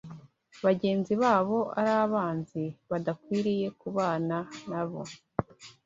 bagenzi babo ari abanzi badakwiriye kubana nabo